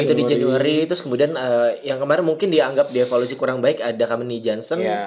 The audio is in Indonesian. anthony january terus kemudian yang kemarin mungkin dianggap di avalucie kurang baik ada kameni jansen